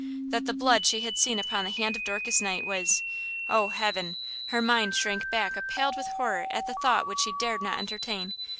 That the blood she had seen upon the hand of Dorcas Knight was–oh, heaven! her mind shrank back appalled with horror at the thought which she dare not entertain!